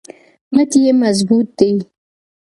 مټ یې مضبوط دی.